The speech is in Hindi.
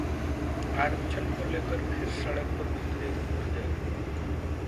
आरक्षण को लेकर फिर सड़क पर उतरे गुर्जर